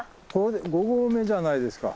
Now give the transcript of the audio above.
五合目じゃないですか。